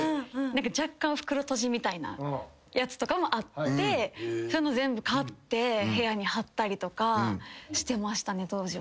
若干袋とじみたいなやつとかもあってそういうの全部買って部屋に張ったりとかしてましたね当時は。